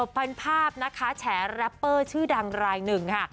เป็นภาพนะคะแฉแรปเปอร์ชื่อดังรายหนึ่งค่ะ